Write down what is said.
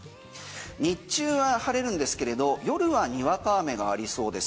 日中は晴れるんですけれど夜はにわか雨がありそうです。